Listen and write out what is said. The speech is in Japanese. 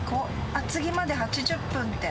厚木まで８０分って。